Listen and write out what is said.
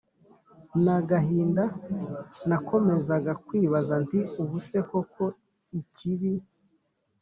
n agahinda Nakomezaga kwibaza nti ubu se koko ikibi